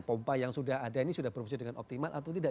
pompa yang sudah ada ini sudah berfungsi dengan optimal atau tidak